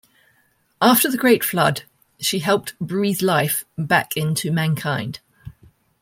After the Great Flood, she helped "breathe life" back into mankind.